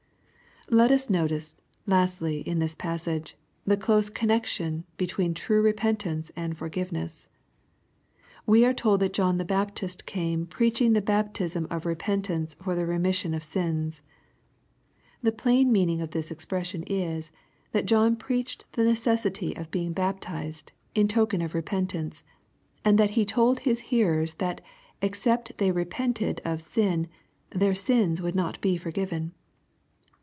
Let us notice, lastly, in this passage, the close cannex ionhetween true repentance and forgiveness. We are told that John the Baptist came ^^ preaching the baptism of repentance for the remission of sins." The plain meaning of this expression is, that John preached the necessity of being baptized, in token of repentance, and that he told his hearers that except they repented of sin, their sins would not be forgiven.